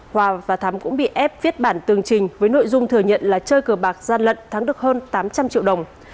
hòa và thắm cũng bị ép viết bản tường trình với nội dung thừa nhận là chơi cờ bạc gian lận thắng được hơn tám trăm linh triệu đồng